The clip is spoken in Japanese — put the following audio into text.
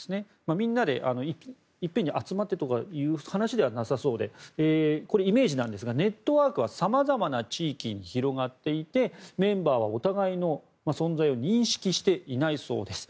みんなでいっぺんに集まってという話ではなさそうでイメージなんですがネットワークはさまざまな地域に広がっていてメンバーはお互いの存在を認識していないそうです。